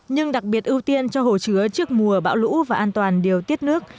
nhưng đặc biệt ưu tiên cho hồ chứa trước mùa bão lũ và an toàn điều tiết nước